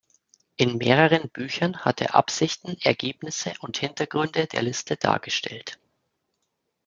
In mehreren Büchern hat er Absichten, Ergebnisse und Hintergründe der Liste dargestellt.